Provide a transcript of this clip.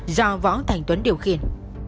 do võ thành tuấn điều khiển